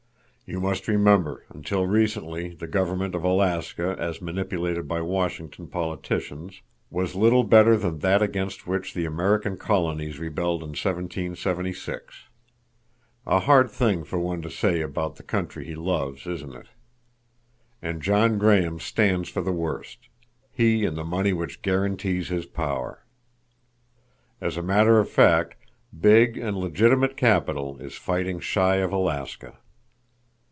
You must remember until recently the government of Alaska as manipulated by Washington politicians was little better than that against which the American colonies rebelled in 1776. A hard thing for one to say about the country he loves, isn't it? And John Graham stands for the worst—he and the money which guarantees his power. "As a matter of fact, big and legitimate capital is fighting shy of Alaska.